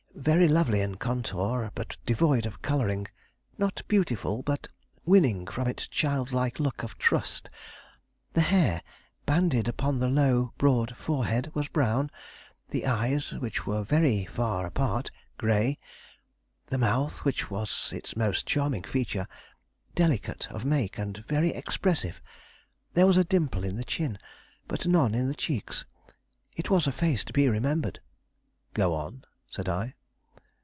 Very lovely in contour, but devoid of coloring; not beautiful, but winning from its childlike look of trust. The hair, banded upon the low, broad forehead, was brown; the eyes, which were very far apart, gray; the mouth, which was its most charming feature, delicate of make and very expressive. There was a dimple in the chin, but none in the cheeks. It was a face to be remembered." "Go on," said I.